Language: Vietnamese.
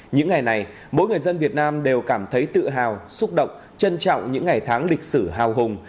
những ngày này mỗi người dân việt nam đều cảm thấy tự hào xúc động trân trọng những ngày tháng lịch sử hào hùng